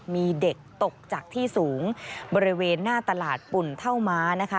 มีเด็กตกจากที่สูงบริเวณหน้าตลาดปุ่นเท่าม้านะคะ